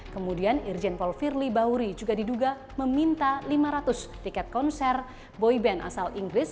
kemudian irjen paul firly bahuri juga diduga meminta lima ratus tiket konser boyband asal inggris